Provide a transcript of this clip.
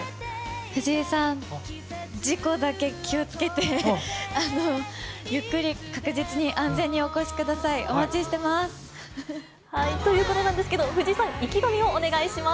藤井さん、事故だけ気をつけて、ゆっくり確実に安全にお越しください。ということなんですけど、藤井さん、意気込みをお願いします。